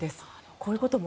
こういうことも。